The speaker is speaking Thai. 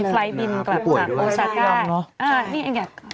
มีไฟล์บินกลับสนามโอซาก้า